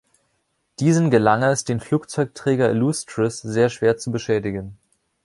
Diesen gelang es, den Flugzeugträger "Illustrious" sehr schwer zu beschädigen.